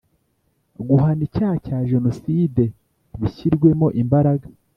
guhana icyaha cya jenoside bishyirwemo imbaraga